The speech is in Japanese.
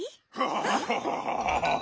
ワハハハハ！